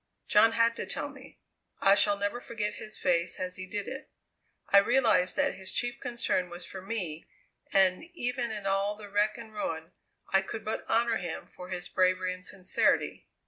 John had to tell me. I shall never forget his face as he did it. I realized that his chief concern was for me, and even in all the wreck and ruin I could but honour him for his bravery and sincerity.